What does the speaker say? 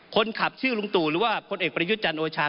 คนขับชื่อลุงตู่หรือว่าพลเอกประยุทธ์จันทร์โอชา